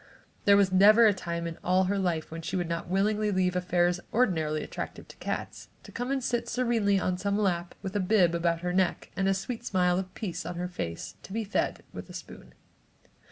There was never a time in all her life when she would not willingly leave affairs ordinarily attractive to cats, to come and sit serenely on some lap, with a bib about her neck, a sweet smile of peace on her face, to be fed with a spoon.